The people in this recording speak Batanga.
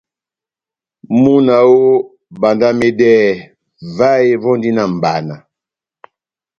Múna oooh, bandamedɛhɛ, vahe vondi na mʼbana.